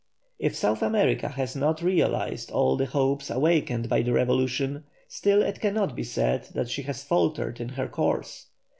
If South America has not realised all the hopes awakened by the revolution, still it cannot be said that she has faltered in her course.